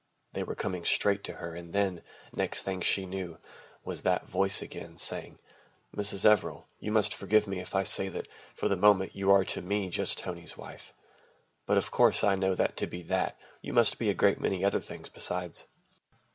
They were coming straight to her and then, next thing she knew was that voice again, saying, "Mrs. Everill, you must forgive me if I say that, for the moment, you are to me, just Tony's wife. But, of course, I know that to be that you must be a great many other things besides."